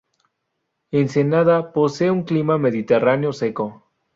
Ensenada posee un clima mediterráneo seco.